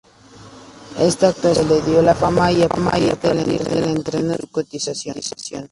Esta actuación le dio la fama, y a partir del estreno subió su cotización.